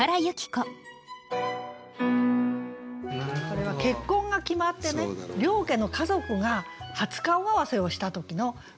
これは結婚が決まってね両家の家族が初顔合わせをした時の歌なんですね。